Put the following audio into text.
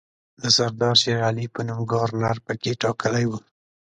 د سردار شېرعلي په نوم ګورنر پکې ټاکلی وو.